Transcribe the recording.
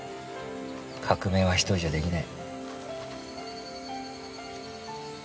革命は一人じゃできない。